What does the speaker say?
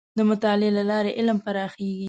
د مطالعې له لارې علم پراخېږي.